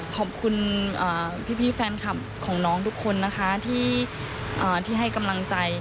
ขอบคุณพี่แฟนคลับของน้องทุกคนนะคะที่ให้กำลังใจ